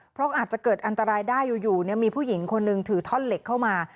เพราะอาจจะเกิดอันตรายได้อยู่มีผู้หญิงคนหนึ่งถือท่อนเหล็กเข้ามา